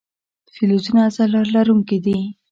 فلزونه ځلا لرونکي دي.